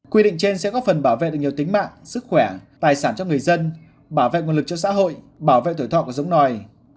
quy định trên sẽ góp phần bảo vệ được nhiều tính mạng sức khỏe tài sản cho người dân bảo vệ nguồn lực cho xã hội bảo vệ tuổi thọ của giống nòi